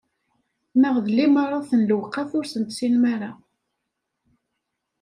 Ma d limaṛat n lewqat, ur sen-tessinem ara?